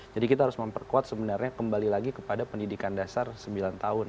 jadi kita harus memperkuat sebenarnya kembali lagi kepada pendidikan dasar sembilan tahun